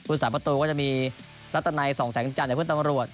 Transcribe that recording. ภูมิสัตว์ประตูก็จะมีรัตนัยสองแสงจันทร์จากเพื่อนตำรวจ